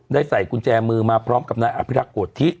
ใส่กุญแจมือมาพร้อมกับนายอภิรักษ์โกธิ